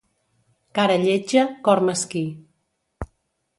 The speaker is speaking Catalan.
Cara lletja, cor mesquí.